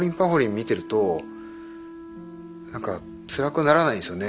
見てるとなんかつらくならないんですよね。